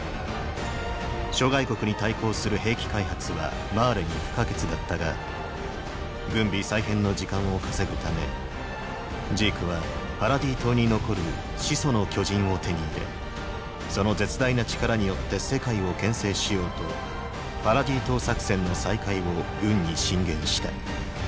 諸外国に対抗する兵器開発はマーレに不可欠だったが軍備再編の時間を稼ぐためジークはパラディ島に残る「始祖の巨人」を手に入れその絶大な力によって世界を牽制しようとパラディ島作戦の再開を軍に進言した。